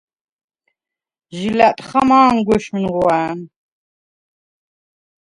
ჟი ლა̈ტხა მა̄მაგვეშ ნუღვა̄̈ნ.